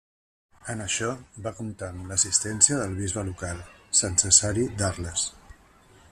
En això, va comptar amb l'assistència del bisbe local, Sant Cesari d'Arles.